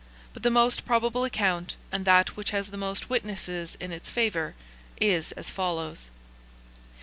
But the most probable account, and that which has the most witnesses in its favour, is as follows.